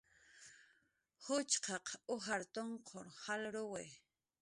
Ujchqaq ujar tunqur jalruwi